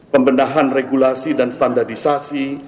pembenahan regulasi dan standarisasi